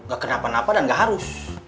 gak kenapa napa dan gak harus